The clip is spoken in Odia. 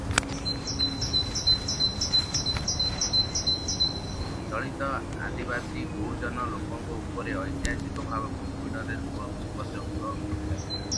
ଦଳିତ-ଆଦିବାସୀ-ବହୁଜନ ଲୋକଙ୍କ ଉପରେ ଐତିହାସିକ ଭାବେ ଉତ୍ପୀଡ଼ନରେ ମୋର ପୂର୍ବଜଙ୍କ ଭୂମିକା ଥିଲା ।